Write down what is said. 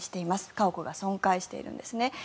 家屋が損壊しているんですね。